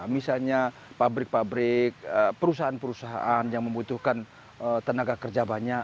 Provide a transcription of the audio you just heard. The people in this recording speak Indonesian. misalnya pabrik pabrik perusahaan perusahaan yang membutuhkan tenaga kerja banyak